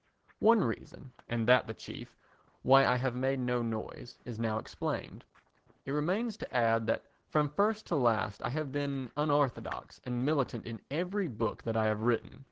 One reason, and that the chief, why I have made no noise, is now explained. It remains to add that from first to last I have been unorthodox and militant in every book that I have written.